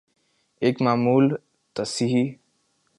ایک معمولی تصحیح